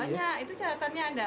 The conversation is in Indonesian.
banyak itu catatannya ada